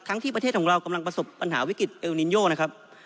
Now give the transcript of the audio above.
ที่ประเทศของเรากำลังประสบปัญหาวิกฤตเอลนินโยนะครับ